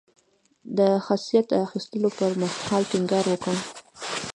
د خصت اخیستلو پر مهال ټینګار وکړ.